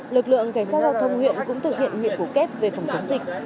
lực lượng cảnh sát giao thông huyện cũng thực hiện nguyện cụ kép về phòng chống dịch